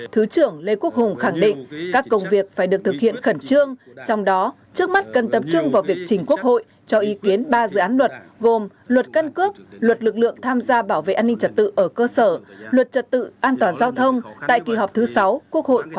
thứ trưởng lê quốc hùng khẳng định các công việc phải được thực hiện khẩn trương trong đó trước mắt cần tập trung vào việc chỉnh quốc hội cho ý kiến ba dự án luật gồm luật cân cước luật lực lượng tham gia bảo vệ an ninh trật tự ở cơ sở luật trật tự an toàn giao thông tại kỳ họp thứ sáu quốc hội khóa một mươi bốn